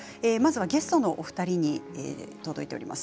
ゲストのお二人に届いています。